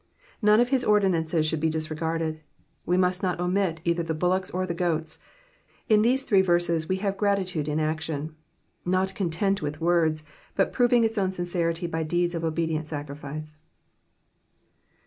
Xrme of hU ordinances iboald b« disregarded ; we must not omit either the boIiockA or the goats. In these three rerses we hare gratitude in action, not content with words, but proring its own sinccritj bj deeds of obedient ■acrifice.